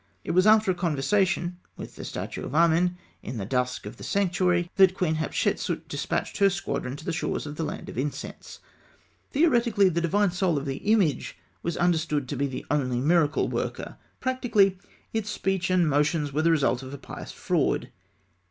It was after a conversation with the statue of Amen in the dusk of the sanctuary, that Queen Hatshepsût despatched her squadron to the shores of the Land of Incense. Theoretically, the divine soul of the image was understood to be the only miracle worker; practically, its speech and motion were the results of a pious fraud.